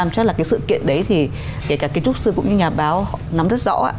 chắc là cái sự kiện đấy thì kể cả kiến trúc sư cũng như nhà báo họ nắm rất rõ